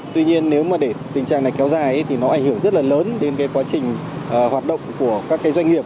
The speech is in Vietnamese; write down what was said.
tuy nhiên nếu mà để tình trạng này kéo dài thì nó ảnh hưởng rất là lớn đến quá trình hoạt động của các doanh nghiệp